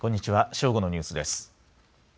正午のニュースです。